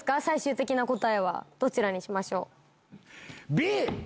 最終的な答えはどちらにしましょう？